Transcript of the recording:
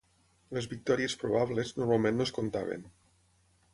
Les victòries probables normalment no es comptaven.